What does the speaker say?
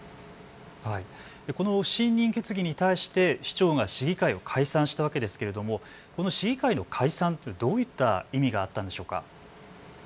この不信任決議に対して市長が市議会を解散したわけですけれども、この市議会の解散、どういった意味があったんでしょうか。